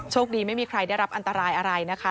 คดีไม่มีใครได้รับอันตรายอะไรนะคะ